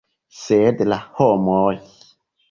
Sed la homoj!